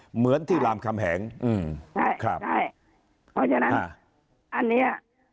เหมือนที่รามคำแหงอืมใช่ครับใช่เพราะฉะนั้นอันเนี้ย